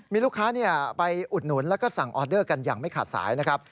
มีลูกค้าไปอุดหนุนแล้วก็สั่งออเดอร์กันอย่างไม่ขาดสายนะครับ